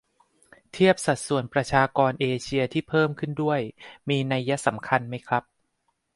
เทียบสัดส่วนประชากรเอเชียที่เพิ่มขึ้นด้วย มีนัยสำคัญไหมครับ ?